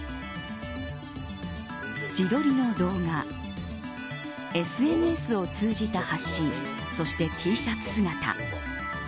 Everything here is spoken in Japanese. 自撮りの動画ＳＮＳを通じた発信そしてＴシャツ姿。